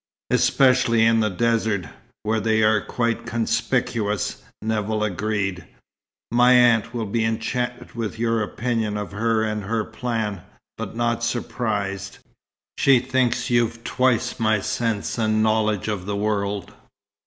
"Especially in the desert, where they are quite conspicuous," Nevill agreed. "My aunt will be enchanted with your opinion of her and her plan but not surprised. She thinks you've twice my sense and knowledge of the world."